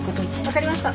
分かりました。